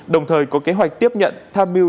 đồng thời có kế hoạch tiếp nhận tham mưu